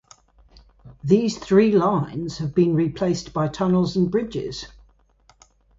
These three lines have been replaced by tunnels and bridges.